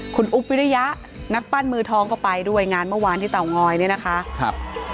คุณอุ๊บวิริยะนักปั้นมือทองก็ไปด้วยงานเมื่อวานที่เตางอยเนี่ยนะคะครับ